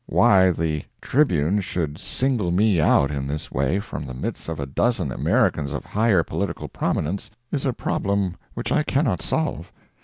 Why "The Tribune" should single me out in this way from the midst of a dozen Americans of higher political prominence, is a problem which I cannot solve.